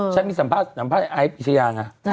ฉันมีสัมภาษณ์สัมภาษณ์ไอ้ปีชายานะ